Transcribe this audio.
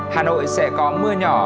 hà nội sẽ có mưa nhỏ